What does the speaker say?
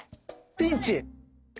ピンチ！